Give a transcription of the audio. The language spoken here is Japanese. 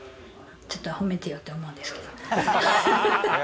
ちょっと褒めてよと思うんですけどね。